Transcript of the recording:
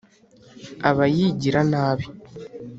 Aba yigira nabi.